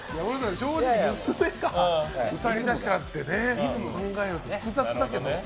正直、娘が歌い出したらって考えると複雑だけど。